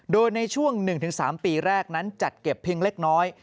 โดยในช่วง๑๓ปีแรกนั้นจัดเก็บเพียงเล็กน้อย